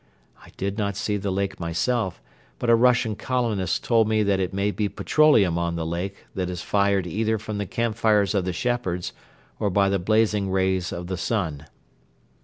I did not see the lake myself but a Russian colonist told me that it may be petroleum on the lake that is fired either from the campfires of the shepherds or by the blazing rays of the sun.